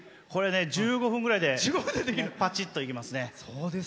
１５分ぐらいでばちっといけますね。